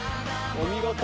お見事。